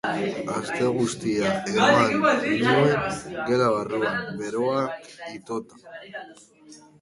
Aste guztia eman nuen gela barruan, beroak itota.